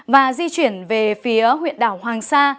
và di chuyển về phía huyện đảo hoàng sa